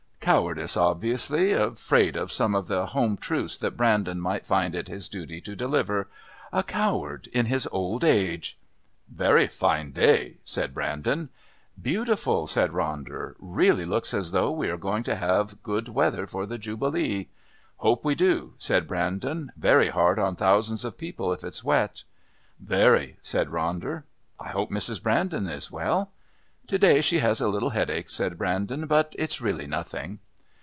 Cowardice obviously, afraid of some of the home truths that Brandon might find it his duty to deliver. A coward in his old age.... "Very fine day," said Brandon. "Beautiful," said Ronder. "Really, looks as though we are going to have good weather for the Jubilee." "Hope we do," said Brandon. "Very hard on thousands of people if it's wet." "Very," said Ronder. "I hope Mrs. Brandon is well." "To day she has a little headache," said Brandon. "But it's really nothing."